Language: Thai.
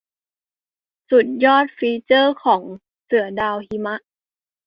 สุดยอดฟีเจอร์ของเสือดาวหิมะ